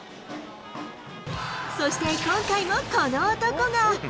そして今回もこの男が。